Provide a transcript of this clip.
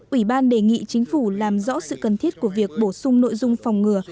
ủy ban đề nghị chính phủ làm rõ sự cần thiết của việc bổ sung nội dung phòng ngừa